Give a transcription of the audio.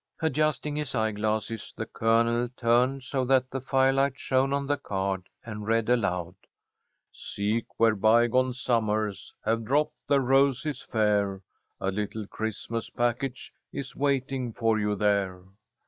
Adjusting his eye glasses the Colonel turned so that the firelight shone on the card, and read aloud: "Seek where bygone summers Have dropped their roses fair. A little Christmas package Is waiting for you there."